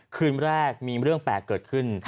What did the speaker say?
คืนแรกมีเรื่องแปลกเกิดขึ้น